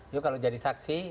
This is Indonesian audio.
itu kalau jadi saksi